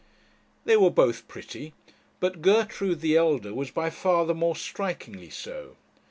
They were both pretty but Gertrude, the elder, was by far the more strikingly so.